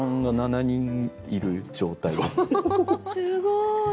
すごい！